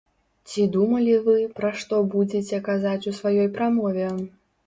Ці думалі вы, пра што будзеце казаць у сваёй прамове?